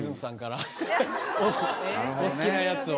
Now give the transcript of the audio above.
お好きなやつを。